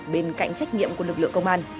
bên cạnh trách nhiệm của lực lượng công an